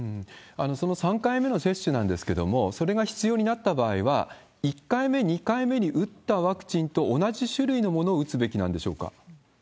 その３回目の接種なんですけれども、それが必要になった場合は、１回目、２回目に打ったワクチンと同じ種類のものを打つべきなんでしょう